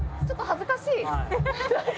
ちょっと恥ずかしい。